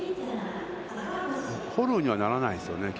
フォローにはならないですよね。